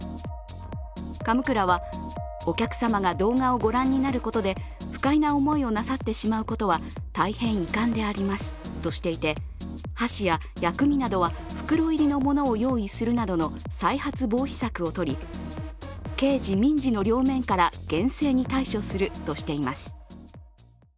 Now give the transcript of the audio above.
神座はお客様が動画をご覧になることで不快な思いをなさってしまうことは大変遺憾でありますとしていて、箸や薬味などは袋入りのものを用意するなどの再発防止策を取り、刑事・民事の両面から厳正に対処するとしています。